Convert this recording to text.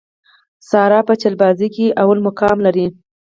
ساره په چلبازۍ کې لومړی مقام لري.